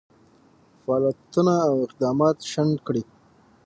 فعالیتونه او اقدامات شنډ کړي.